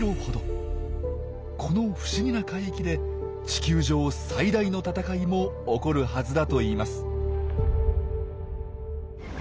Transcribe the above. この不思議な海域で「地球上最大の闘い」も起こるはずだといいます。